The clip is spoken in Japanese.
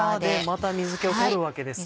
また水気を取るわけですか。